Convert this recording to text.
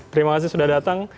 terima kasih sudah datang